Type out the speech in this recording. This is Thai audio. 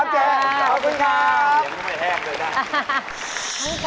ขอบคุณค่ะ